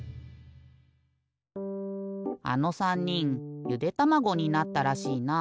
あの３にんゆでたまごになったらしいな。